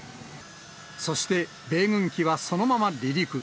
そして、米軍機はそのまま離陸。